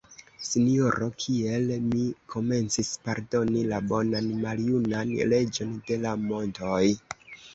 Sinjoro, kiel mi komencis pardoni la bonan maljunan Reĝon de la montoj!